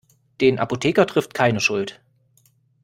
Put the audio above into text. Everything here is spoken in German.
Den Apotheker trifft keine Schuld.